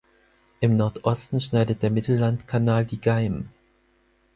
Im Nordosten schneidet der Mittellandkanal die Gaim.